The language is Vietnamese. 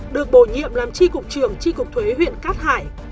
được bổ nhiệm làm chi cục trưởng chi cục thuế huyện cát hà